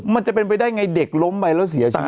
มันจะเป็นไปได้ไงเด็กล้มไปแล้วเสียชีวิต